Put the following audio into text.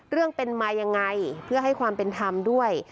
เรื่องเป็นมายังไงเพื่อให้ความเป็นธรรมด้วย